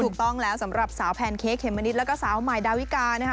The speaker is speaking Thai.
ถูกต้องแล้วสำหรับสาวแพนเค้กเมมะนิดแล้วก็สาวใหม่ดาวิกานะคะ